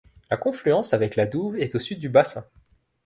La confluence avec la Douve est au sud du bassin.